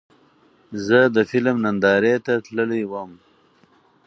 زه د فلم نندارې ته تللی وم.